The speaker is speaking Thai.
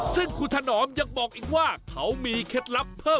ซึ่งคุณถนอมยังบอกอีกว่าเขามีเคล็ดลับเพิ่ม